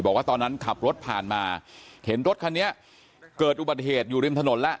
บอกว่าตอนนั้นขับรถผ่านมาเห็นรถคันนี้เกิดอุบัติเหตุอยู่ริมถนนแล้ว